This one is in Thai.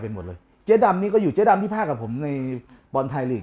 หมดเลยเจ๊ดำนี่ก็อยู่เจ๊ดำที่ภาคกับผมในบอลไทยลีก